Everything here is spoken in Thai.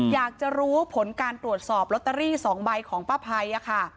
อยากจะรู้ผลการตรวจสอบลอตเตอรี่๒ใบของป้าภัยค่ะ